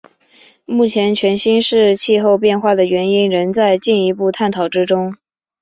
目前全新世气候变化的原因仍在进一步探讨之中。